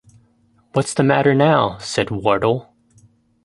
‘What’s the matter now?’ said Wardle.